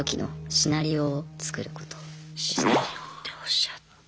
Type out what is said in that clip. シナリオっておっしゃった。